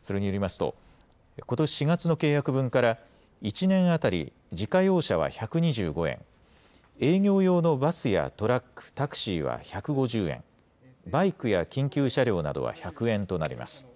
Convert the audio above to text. それによりますと、ことし４月の契約分から、１年当たり自家用車は１２５円、営業用のバスやトラック、タクシーは１５０円、バイクや緊急車両などは１００円となります。